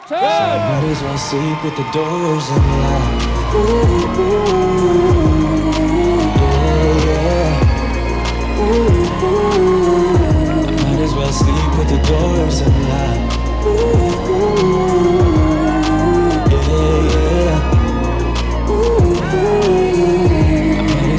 เชิญ